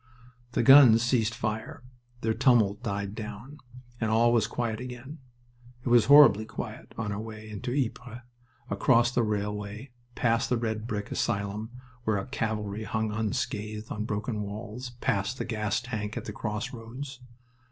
The guns ceased fire. Their tumult died down, and all was quiet again. It was horribly quiet on our way into Ypres, across the railway, past the red brick asylum, where a calvary hung unscathed on broken walls, past the gas tank at the crossroads.